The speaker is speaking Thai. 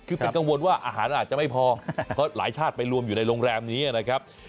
คือเป็นกังวลว่าอาหารอาจจะไม่พอเพราะหลายชาติไปรวมอยู่ในโรงแรมนี้นะครับ